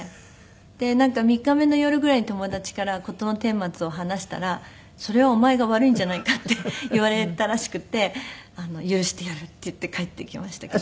で３日目の夜ぐらいに友達から事の顛末を話したら「それはお前が悪いんじゃないか」って言われたらしくて「許してやる」って言って帰ってきましたけど。